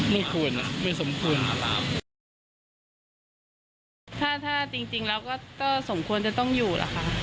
แต่อยู่ตรงไหนก็ตามแต่ให้แสดงตัวว่าอยู่